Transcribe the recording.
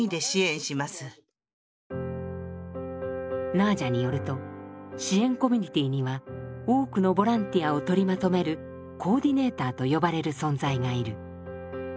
ナージャによると支援コミュニティーには多くのボランティアを取りまとめるコーディネーターと呼ばれる存在がいる。